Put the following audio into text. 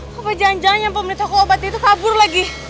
kenapa jangan jangan yang pemenuh toko obatnya itu kabur lagi